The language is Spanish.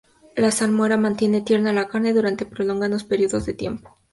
La salmuera mantiene tierna la carne durante prolongados periodos de tiempo.